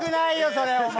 それお前！